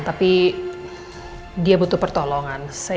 tapi dia butuh pertolongan